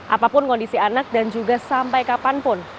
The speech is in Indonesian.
apapun kondisi anak dan juga sampai kapanpun